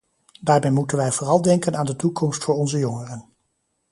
Daarbij moeten wij vooral denken aan de toekomst voor onze jongeren.